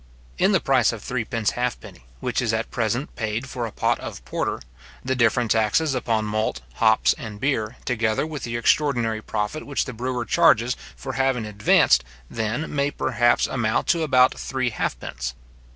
In the price of threepence halfpenny, which is at present paid for a pot of porter, the different taxes upon malt, hops, and beer, together with the extraordinary profit which the brewer charges for having advanced than, may perhaps amount to about three halfpence.